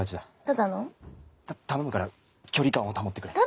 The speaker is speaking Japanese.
た頼むから距離感を保ってくれ。